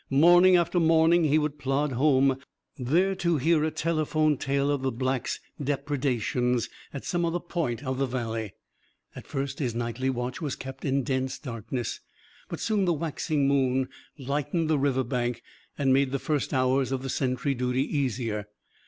Morning after morning, he would plod home, there to hear a telephoned tale of the Black's depredations at some other point of the Valley. At first his nightly watch was kept in dense darkness. But, soon the waxing moon lightened the river bank; and made the first hours of the sentry duty easier.